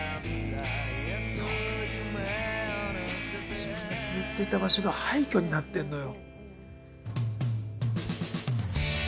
自分がずっといた場所が廃墟になってるのよ。